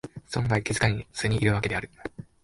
存外気がつかずにいるわけである